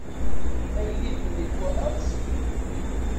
Tagellidt-nni twalaḍ-tt?